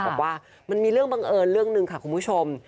บอกว่ามันมีเรื่องบังเอิญเรื่องหนึ่งค่ะคุณผู้ชม